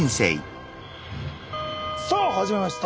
さあ始まりました。